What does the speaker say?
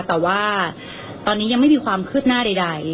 แต่ว่าตอนนี้ยังไม่มีความคืบหน้าใด